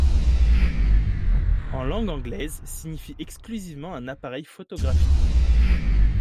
En langue anglaise, signifie exclusivement un appareil photographique.